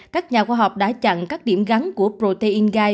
các nhà khoa học đã chặn các điểm gắn của protein guide